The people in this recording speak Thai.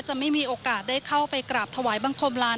ไม่มีโอกาสได้เข้าไปกราบถวายบังคมลาน